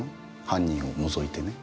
犯人を除いてね。